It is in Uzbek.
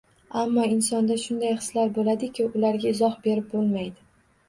Ammo insonda shunday hislar bo‘ladiki, ularga izoh berib bo‘lmaydi.